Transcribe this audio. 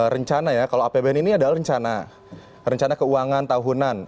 rencana ya kalau apbn ini adalah rencana rencana keuangan tahunan